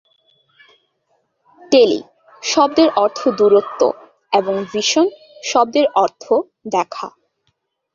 ‘Tele’ শব্দের অর্থ ‘দূরত্ব’ এবং ‘ভিশন’ শব্দের অর্থ ‘দেখা’।